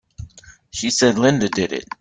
She said Linda did it!